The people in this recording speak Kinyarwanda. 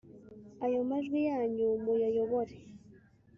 ayo majwi yanyu muyayobore